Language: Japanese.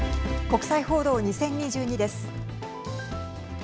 国際報道２０２２です。